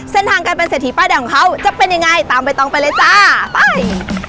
เส้นทางการเป็นเศรษฐีป้ายแดงของเขาจะเป็นยังไงตามใบตองไปเลยจ้าไป